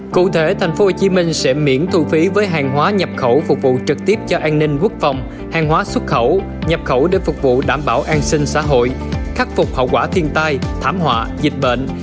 cụ thể tp hcm sẽ miễn thu phí với hàng hóa nhập khẩu phục vụ trực tiếp cho an ninh quốc phòng hàng hóa xuất khẩu nhập khẩu để phục vụ đảm bảo an sinh xã hội khắc phục hậu quả thiên tai thảm họa dịch bệnh